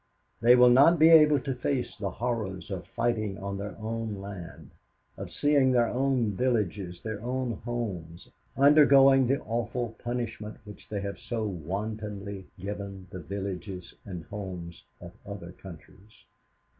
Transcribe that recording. They will not be able to face the horrors of fighting on their own land, of seeing their own villages, their own homes, undergoing the awful punishment which they have so wantonly given the villages and homes of other countries.